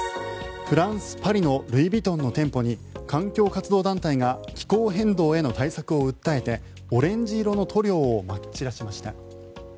フランス・パリのルイ・ヴィトンの店舗に環境活動団体が気候変動への対策を訴えてオレンジ色の塗料をまき散らしました。